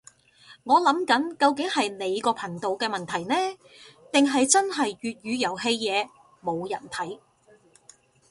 我諗緊究竟係你個頻道嘅問題呢，定係真係粵語遊戲嘢冇人睇